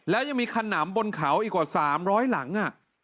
แล้วยังมีขนำบนเขาอีกกว่า๓๐๐หลัง